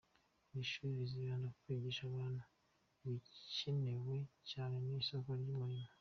Iri shuri rizibanda ku kwigisha abantu ibicyenewe cyane ku isoko ry’umurimo.